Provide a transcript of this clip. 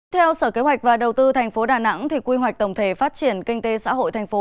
theo sở kế hoạch và đầu tư tp đà nẵng quy hoạch tổng thể phát triển kinh tế xã hội thành phố